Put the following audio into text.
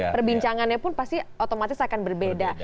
perbincangannya pun pasti otomatis akan berbeda